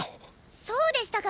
そうでしたか。